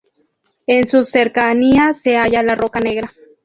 En sus cercanías se halla la roca Negra.